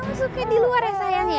kamu suka di luar ya sayang ya